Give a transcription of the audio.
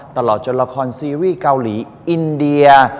ตลอดจนละครซีรีส์เกาหลีอินเดีย